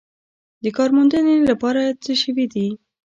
د کار موندنې لپاره څه شوي دي؟